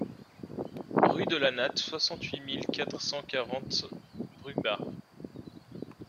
Rue de la Natte, soixante-huit mille quatre cent quarante Bruebach